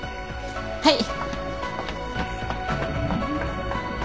はい。